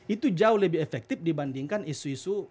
itu jauh lebih efektif dibandingkan isu isu